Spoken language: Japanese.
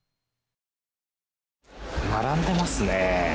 並んでますね。